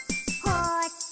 「こっち？」